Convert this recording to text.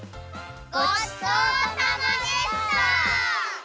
ごちそうさまでした！